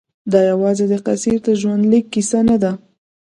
دا یوازې د قیصر د ژوندلیک کیسه نه ده.